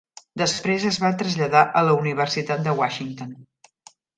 Després es va traslladar a la Universitat de Washington.